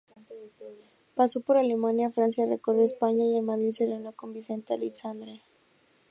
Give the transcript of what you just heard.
Pasó por Alemania, Francia, recorrió España y en Madrid se reunió con Vicente Aleixandre.